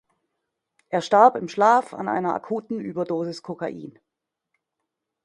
Er starb im Schlaf an einer akuten Überdosis Kokain.